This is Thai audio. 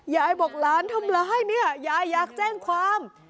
ยายบอกหลานทำร้ายเนี่ยยายอยากแจ้งความ